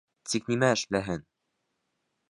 Тик нимә эшләһен?